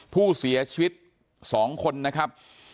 ผู้เสียชีวิต๒คนนะครับ